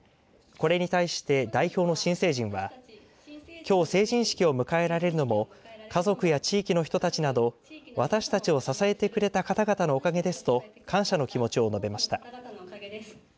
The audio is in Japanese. これに対して、代表の新成人はきょう成人式を迎えられるのも家族や地域の人たちなど私たちを支えてくれた方々のおかげですと感謝の気持ちを述べました。